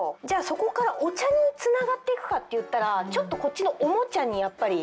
そこからお茶につながっていくかっていったらちょっとこっちのおもちゃにやっぱり。